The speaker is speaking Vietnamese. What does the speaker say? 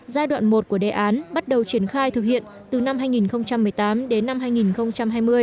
giai đoạn một của đề án bắt đầu triển khai thực hiện từ năm hai nghìn một mươi tám đến năm hai nghìn hai mươi